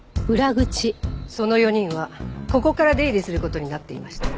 その４人はここから出入りする事になっていました。